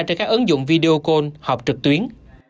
trên các ứng dụng video call hoặc trực tuyến